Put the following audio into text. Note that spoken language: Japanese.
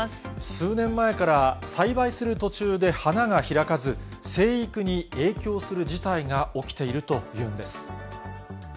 数年前から栽培する途中で花が開かず、生育に影響する事態が起きているというんです。